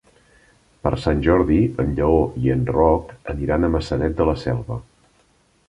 Per Sant Jordi en Lleó i en Roc aniran a Maçanet de la Selva.